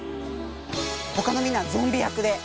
他のみんなはゾンビ役で。